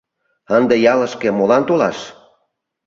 Ынде ялышке молан толаш?